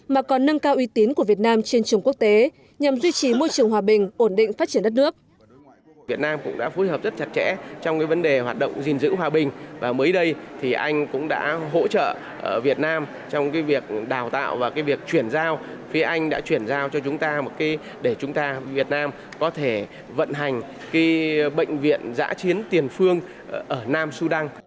mà còn nâng cao uy tín của việt nam trên trường quốc tế nhằm duy trì môi trường hòa bình ổn định phát triển đất nước